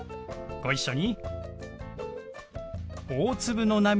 ご一緒に。